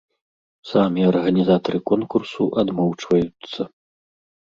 Самі арганізатары конкурсу адмоўчваюцца.